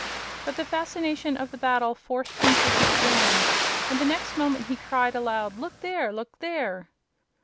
But the fascination of the battle forced him to look again, and the next moment he cried aloud: "Look there! Look there!"